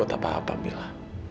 aku tak apa apa mila